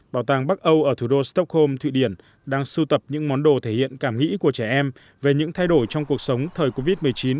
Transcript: bảo tàng bắc âu ở thủ đô stockholm thụy điển đang sưu tập những món đồ thể hiện cảm nghĩ của trẻ em về những thay đổi trong cuộc sống thời covid một mươi chín